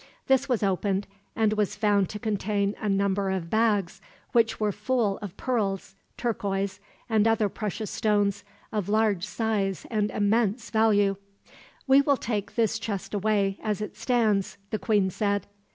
This was opened, and was found to contain a number of bags which were full of pearls, turquoise, and other precious stones, of large size and immense value. "We will take this chest away, as it stands," the queen said.